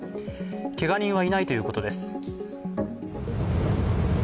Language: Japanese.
けが人はいないということです。